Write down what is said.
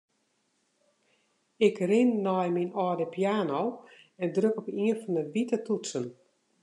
Ik rin nei myn âlde piano en druk op ien fan 'e wite toetsen.